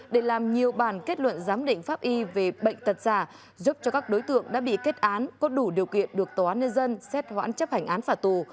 để làm nhiều bản kết luận giám đỉnh pháp y về bệnh tật giả giúp cho các đối tượng đã bị kết án có đủ điều kiện được tòa nơi dân xét hoãn chấp hành án phả tù